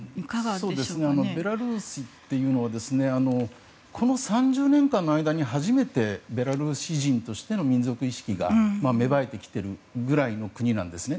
ベラルーシというのはこの３０年間の間に初めて、ベラルーシ人としての民族意識が芽生えてきているくらいの国なんですね。